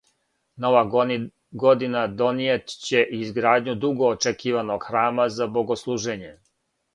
Нова година донијет ће изградњу дуго очекиваног храма за богослужење.